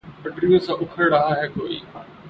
پٹریوں سا اکھڑ رہا ہے کوئی